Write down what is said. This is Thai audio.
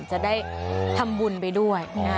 จะได้ทำบุญไปด้วย